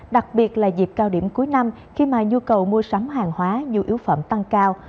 đặc biệt là dịp cao điểm cuối năm khi mà nhu cầu mua sắm hàng hóa nhu yếu phẩm tăng cao